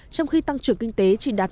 trong khi tăng trưởng kinh tế chỉ đạt một